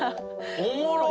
おもろー。